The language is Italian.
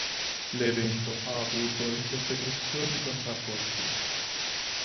L'evento ha avuto interpretazioni contrapposte.